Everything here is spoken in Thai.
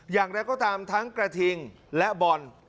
อย่างไรก็ตามทั้งกระทิงและบอล